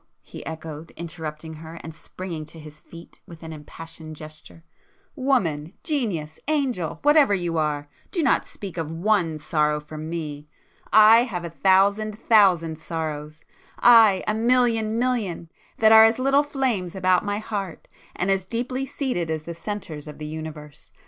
he echoed, interrupting her and springing to his feet with an impassioned gesture—"Woman,—genius,—angel, whatever you are, do not speak of one sorrow for me! I have a thousand thousand sorrows!—aye a million million, that are as little flames about my heart, and as deeply seated as the centres of the universe!